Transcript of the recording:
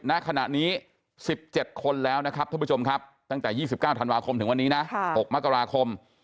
เนคณะนี้๑๗คนแล้วท่านผู้ชมครับตั้งแต่๒๙ธันวาคมถึงวันนี้๖มักกราคม